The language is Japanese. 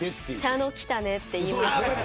茶野きたねって言います。